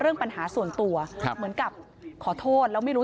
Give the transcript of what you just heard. เชิงชู้สาวกับผอโรงเรียนคนนี้